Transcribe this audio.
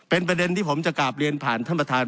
เป็นประเด็นที่ผมจะกลับเรียนผ่านท่านประธาน